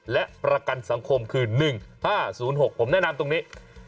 และประกันสังคมคือ๑๕๐๖ผมแนะนำตรงนี้